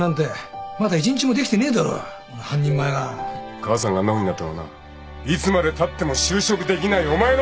母さんがあんなふうになったのはないつまでたっても就職できないお前のせいだ。